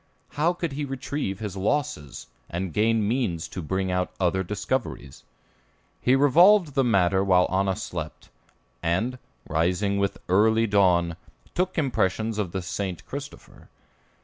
How could he retrieve his losses, and gain means to bring out other discoveries? He revolved the matter while Anna slept, and, rising with early dawn, took impressions of the "St. Christopher."